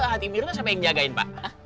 hati birna siapa yang njagain pak